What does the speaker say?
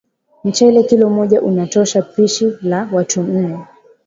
Mchele Kilo moja unatosha pishi la watu nne